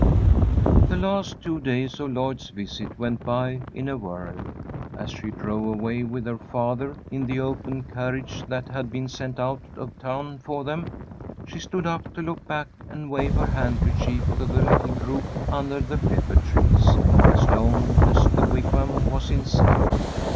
The last two days of Lloyd's visit went by in a whirl. As she drove away with her father, in the open carriage that had been sent out of town for them, she stood up to look back and wave her handkerchief to the little group under the pepper trees, as long as the Wigwam was in sight.